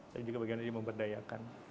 tapi juga bagaimana dia pemberdayakan